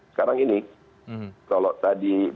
sekarang ini kalau tadi